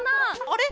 あれ？